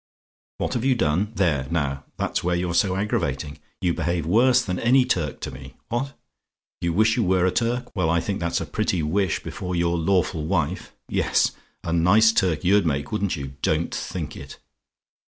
"WHAT HAVE YOU DONE? "There, now; that's where you're so aggravating. You behave worse than any Turk to me, what? "YOU WISH YOU WERE A TURK? "Well, I think that's a pretty wish before your lawful wife! Yes a nice Turk you'd make, wouldn't you? Don't think it.